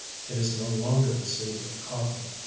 It is no longer the Sea of Cotton.